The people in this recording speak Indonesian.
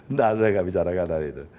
nggak saya nggak bicarakan tadi itu